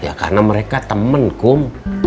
ya karena mereka temen kum